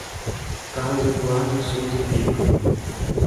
Carlos Eduardo Souza Lima